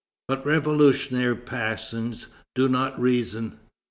But revolutionary passions do not reason.